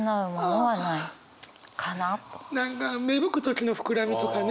何か芽吹く時の膨らみとかね！